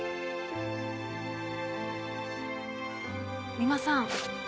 三馬さん。